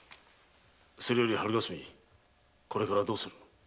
それより春霞これからどうする？